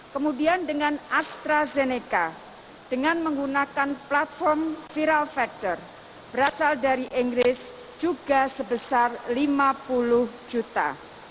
kemudian dengan astrazeneca dengan menggunakan platform viral factor berasal dari inggris juga sebesar lima puluh juta